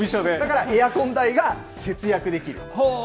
だからエアコン代が節約できる。